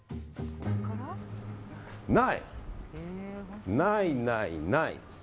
ない、ないないない。